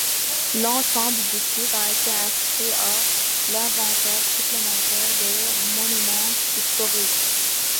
L'ensemble du site a été inscrit à l'inventaire supplémentaire des monuments historiques.